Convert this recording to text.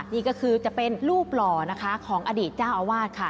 นี่ก็คือจะเป็นรูปหล่อนะคะของอดีตเจ้าอาวาสค่ะ